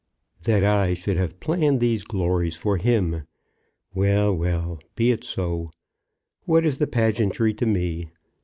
"That I should have planned these glories for him! Well, well; be it so. What is the pageantry to me?